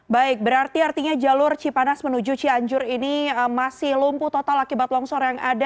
baik berarti artinya jalur cipanas menuju cianjur ini masih lumpuh total akibat longsor yang ada